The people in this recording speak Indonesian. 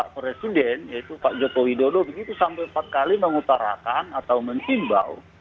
presiden yaitu pak joko widodo begitu sampai empat kali mengutarakan atau menghimbau